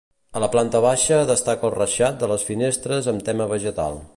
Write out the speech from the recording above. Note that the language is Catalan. A la planta baixa destaca el reixat de les finestres amb tema vegetal.